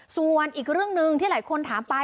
ส่วนอีกเรื่องหนึ่งที่หลายคนถามไป